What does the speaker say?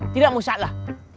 tidak mau salah